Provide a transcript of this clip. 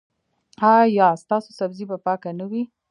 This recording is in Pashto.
ایا ستاسو سبزي به پاکه نه وي؟